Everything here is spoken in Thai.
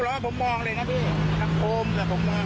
ก็จะติดสีเกลียดขอโทษและเหยียบก่อน